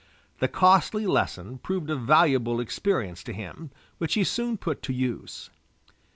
The costly lesson proved a valuable experience to him, which he soon put to use.